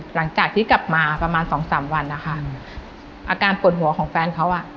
หลังจากที่กลับมาประมาณสองสามวันนะคะอาการปวดหัวของแฟนเขาอ่ะ